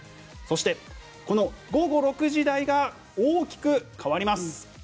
そしてこの午後６時台が大きく変わります。